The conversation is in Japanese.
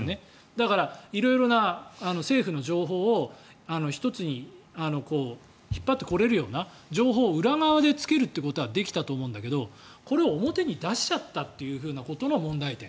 だから、色々な政府の情報を１つに引っ張ってこられるような情報を裏側でつけることはできたと思うんだけどこれを表に出しちゃったということの問題点。